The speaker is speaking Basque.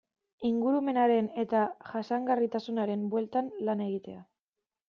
Ingurumenaren eta jasangarritasunaren bueltan lan egitea.